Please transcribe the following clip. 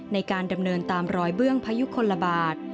ในการดำเนินตามรอยเบื้องพยุคลบาท